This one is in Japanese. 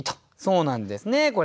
そうなんですねこれ。